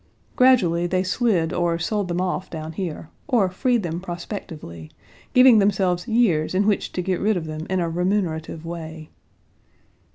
Gradually, they slid or sold them off down here; or freed them prospectively, giving themselves years in which to get rid of them in a remunerative way.